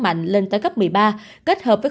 mạnh lên tới cấp một mươi ba kết hợp với